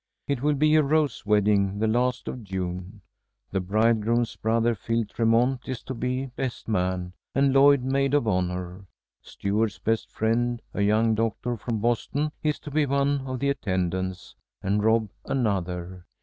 It will be a rose wedding, the last of June. The bridegroom's brother, Phil Tremont, is to be best man, and Lloyd maid of honor. Stuart's best friend, a young doctor from Boston, is to be one of the attendants, and Rob another.